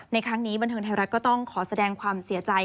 ในครั้งนี้บันเทิงไทยรัฐก็ต้องขอแสดงความเสียใจ